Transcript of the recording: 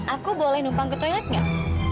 aku boleh numpang ke toilet nggak